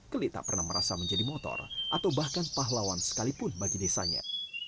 keli tak pernah merasa menjadi motor atau bahkan pahlawan sekalipun bagi desanya